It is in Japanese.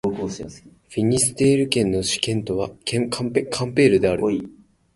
フィニステール県の県都はカンペールである